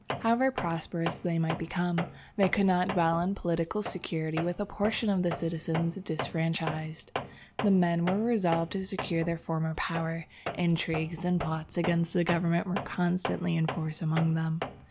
"However prosperous they might become, they could not dwell in political security with a portion of the citizens disfranchised. The men were resolved to secure their former power. Intrigues and plots against the government were constantly in force among them.